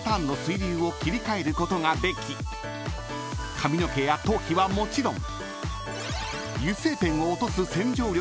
［髪の毛や頭皮はもちろん］